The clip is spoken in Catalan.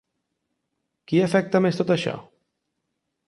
Qui afecta més tot això?